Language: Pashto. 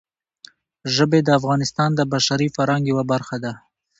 ژبې د افغانستان د بشري فرهنګ یوه برخه ده.